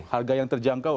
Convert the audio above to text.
harga yang terjangkau